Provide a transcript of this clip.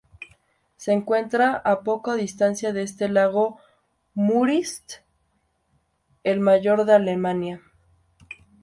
Se encuentra a poca distancia al este del lago Müritz, el mayor de Alemania.